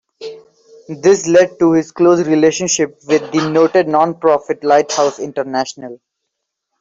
This led to his close relationship with the noted non-profit Lighthouse International.